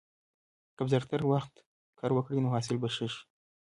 که بزګر وختي کر وکړي، نو حاصل به ښه شي.